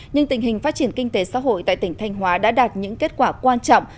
nhưng tình hình phát triển kinh tế xã hội tại tỉnh thanh hóa đã đạt những kết quả quan trọng